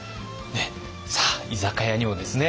さあ居酒屋にもですね